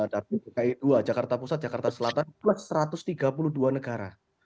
tapi seperti jakarta pusat jakarta selatan plus satu ratus tiga puluh dua negara